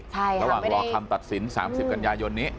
ระหว่างรอคำตัดสิน๓๐กันยายนนี้